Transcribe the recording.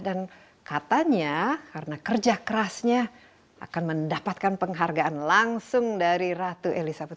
dan katanya karena kerja kerasnya akan mendapatkan penghargaan langsung dari ratu elizabeth